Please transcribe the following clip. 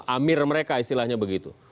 amir mereka istilahnya begitu